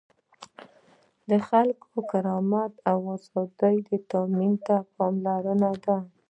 د خلکو د کرامت او آزادیو تأمین ته پاملرنه ده.